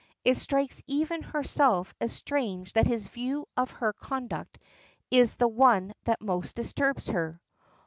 It strikes even herself as strange that his view of her conduct is the one that most disturbs her.